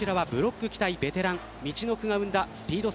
こちらはブロック期待ベテランスピード